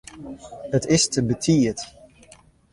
It is te betiid.